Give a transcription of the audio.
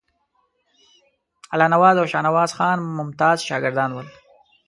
الله نواز او شاهنواز خان ممتاز شاګردان ول.